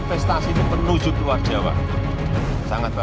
investasi ini penujut luar jawa